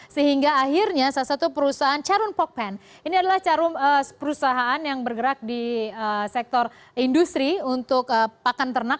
sehingga akhirnya salah satu perusahaan carun pokpen ini adalah perusahaan yang bergerak di sektor industri untuk pakan ternak